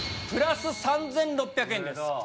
プラス３６００円です。